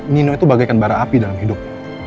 nino itu bagaikan bara api dalam hidup